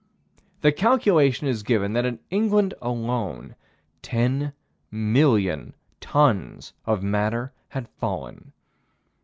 The calculation is given that, in England alone, 10,000,000 tons of matter had fallen.